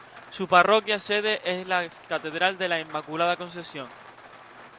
Su parroquia sede es la Catedral de la Inmaculada Concepción.